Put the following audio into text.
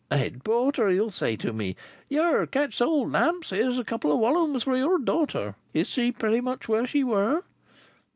A Head Porter, he'll say to me, 'Here! Catch hold, Lamps. Here's a couple of wollumes for your daughter. Is she pretty much where she were?